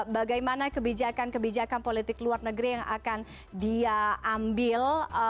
bagaimana kebijakan kebijakan politik luar negeri yang akan dia ambil